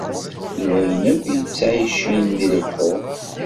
D wayen akk yettɛicin di lebḥur.